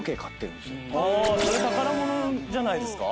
それ宝物じゃないですか？